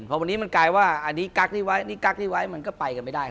พอวันนี้มันกลายว่าอันนี้กั๊กนี่ไว้นี่กั๊กนี้ไว้มันก็ไปกันไม่ได้